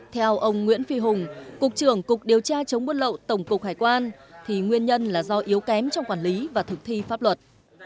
theo ông nguyễn phi hùng cục trưởng cục điều tra chống buôn lậu tổng cục hải quan thì nguyên nhân là do yếu kém trong quản lý và thực thi pháp luật